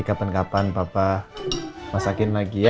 sekarang papa masakin lagi ya